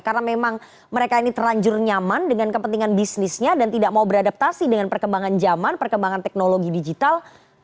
karena memang mereka ini terlanjur nyaman dengan kepentingan bisnisnya dan tidak mau beradaptasi dengan perkembangan zaman perkembangan teknologi digital